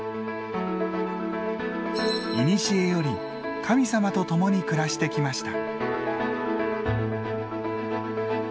古より神様と共に暮らしてきました。